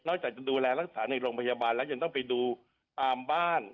จากจะดูแลรักษาในโรงพยาบาลแล้วยังต้องไปดูตามบ้าน